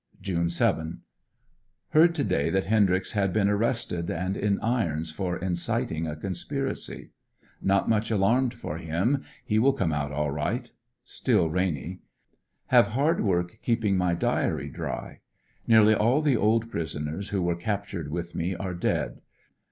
June 7. — Heard to day that Hendryx had been arrested and in irons for inciting a conspiracy. Not much alarmed for him. He will come out all right. Still rainy. Have hard work keeping my diary dry. Nearl}^ all the old prisoners who were captured with me are dead.